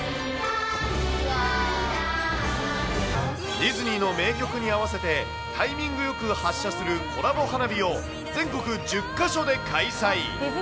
ディズニーの名曲に合わせて、タイミングよく発射するコラボ花火を全国１０か所で開催。